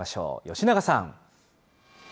吉永さん。